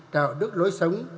đạo đức lối sống